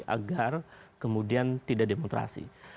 agar kemudian tidak demontrasi